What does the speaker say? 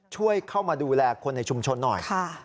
ช่วยเข้ามาดูแลคนในชุมชนหน่อย